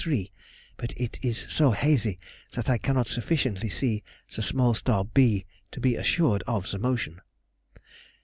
3, but it is so hazy that I cannot sufficiently see the small star b to be assured of the motion.